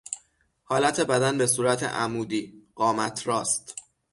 حالت بدن به صورت عمودی، قامت راست